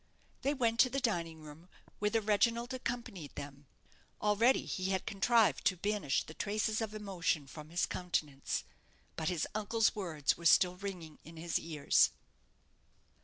They went to the dining room, whither Reginald accompanied them. Already he had contrived to banish the traces of emotion from his countenance: but his uncle's words were still ringing in his ears.